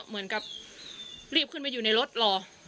เหมือนกับรีบขึ้นมาอยู่ในรถรอ